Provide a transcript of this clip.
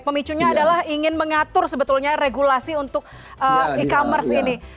pemicunya adalah ingin mengatur sebetulnya regulasi untuk e commerce ini